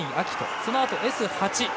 そのあとＳ８。